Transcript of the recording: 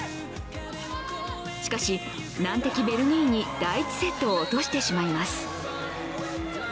しかし、難敵・ベルギーに第１セットを落としてしまいます。